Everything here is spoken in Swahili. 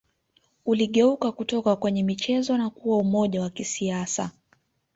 Uligeuka kutoka kwenye michezo na kuwa umoja wa kisiasa